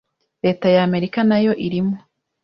Leta ya Amerika nayo irimo